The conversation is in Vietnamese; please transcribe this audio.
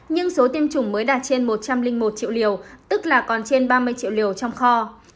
nhưng số tiêm chủng mới đạt trên một trăm linh một triệu liều tức là còn trên ba mươi triệu liều trong kho